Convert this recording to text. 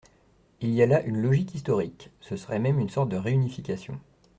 Il y a là une logique historique ; ce serait même une sorte de réunification.